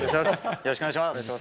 よろしくお願いします。